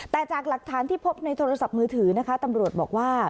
แต่จากหลักฐานที่พบในโทรศัพท์มือถือนะคะตำรวจบอกว่า